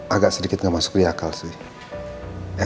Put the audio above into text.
agak sedikit nggak masuk di akal sih